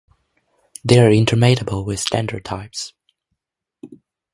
They are intermatable with standard types.